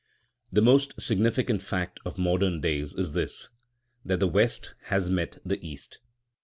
The most significant fact of modern days is this, that the West has met the East.